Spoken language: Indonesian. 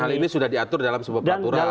dan hal ini sudah diatur dalam sebuah peraturan